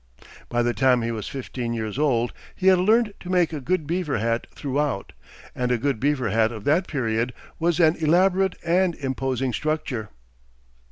By the time he was fifteen years old he had learned to make a good beaver hat throughout, and a good beaver hat of that period was an elaborate and imposing structure.